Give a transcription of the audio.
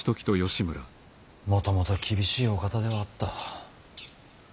もともと厳しいお方ではあった。